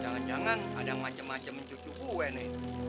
jangan jangan ada macem macem mencucuk gue nih